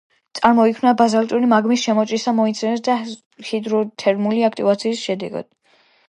წარმოიქმნა ბაზალტური მაგმის შემოჭრისას მიოცენში და შემდგომი ჰიდროთერმული აქტივობის შედეგად.